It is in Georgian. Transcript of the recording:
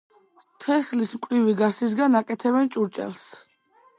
თესლის მკვრივი გარსისაგან აკეთებენ ჭურჭელს.